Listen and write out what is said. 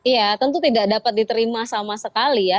ya tentu tidak dapat diterima sama sekali ya